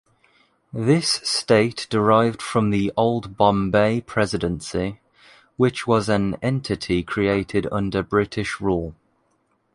This state derived from the old Bombay presidency, which was an entity created under British rule.